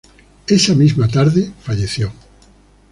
Esa misma tarde falleció.